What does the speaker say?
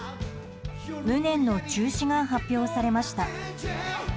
無念の中止が発表されました。